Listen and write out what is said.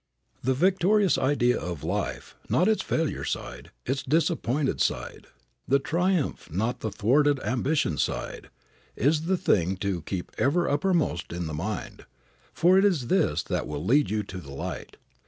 The victorious idea of life, not its failure side, its disappointed side; the triumphant, not the thwarted ambition side, is the thing to keep ever uppermost in the mind, for it is this that will lead you to the light.